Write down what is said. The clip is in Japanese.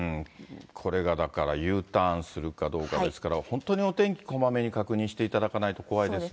これがだからＵターンするかどうかですから、本当にお天気こまめに確認していただかないと怖いですね。